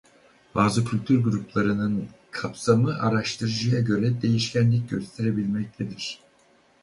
Bazı kültür gruplarının kapsamı araştırıcıya göre değişkenlik gösterebilmektedir.